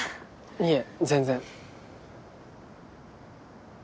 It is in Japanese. いえ全然。